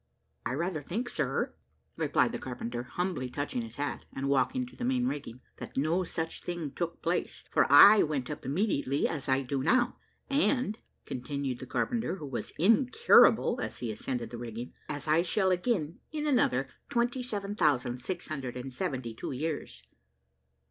"I rather think, sir," replied the carpenter, humbly touching his hat, and walking to the main rigging, "that no such thing took place, for I went up immediately, as I do now; and," continued the carpenter, who was incurable, as he ascended the rigging, "as I shall again in another 27,672 years."